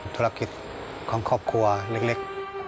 ธุรกิจของครอบครัวเล็ก